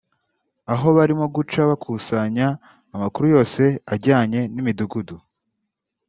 Aho barimo guca bakusanya amakuru yose ajyanye n’imidugudu